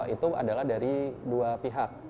itu adalah dari dua pihak